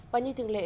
và như thường lệ